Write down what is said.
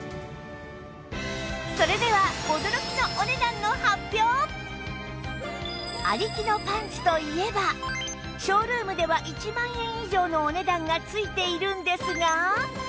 それでは有木のパンツといえばショールームでは１万円以上のお値段がついているんですが